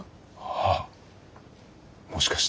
ああもしかして。